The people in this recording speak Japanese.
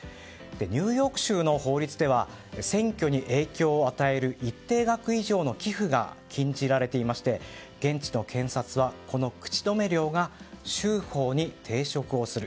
ニューヨーク州の法律では選挙に影響を与える一定額以上の寄付が禁じられていまして現地の検察は、この口止め料が州法に抵触をする